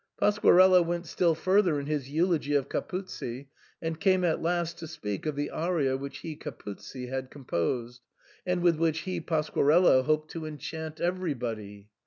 Pasquarello went still further in his eulogy of Ca puzzi, and came at last to speak of the aria which he (Capuzzi) had composed, and with which he (Pas quarello) hoped to enchant everybody.